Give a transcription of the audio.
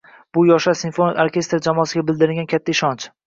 Bu - Yoshlar simfonik orkestri jamoasiga bildirilgan katta ishonch